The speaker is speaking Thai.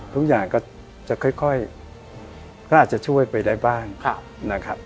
ทุกอย่างก็จะค่อยก็อาจจะช่วยไปได้บ้างนะครับ